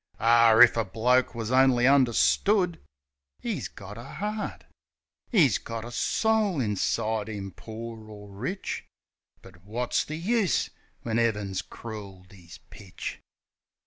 ... Ar, if a bloke wus only understood! 'E's got a 'eart: 'E's got a soul inside 'im, poor or rich. But wot's the use, when 'Eaven's crool'd 'is pitch?